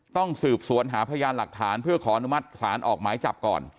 ต้องสืบสวนหาพยานหลักฐานเพื่อขออนุมัติศาลออกหมายจับก่อน